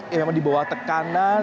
yang memang di bawah tekanan